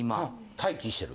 待機してる。